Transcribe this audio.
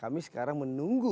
kami sekarang menunggu